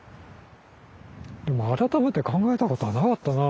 でも改めて考えたことはなかったな。